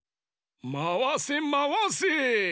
まわせまわせ。